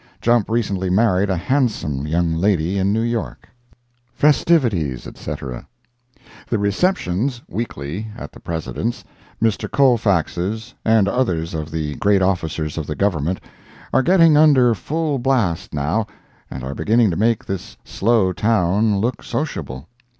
Jump recently married a handsome young lady in New York. Festivities, Etc. The receptions, weekly, at the President's, Mr. Colfax's and others of the great officers of the Government are getting under full blast now, and are beginning to make this slow town look sociable.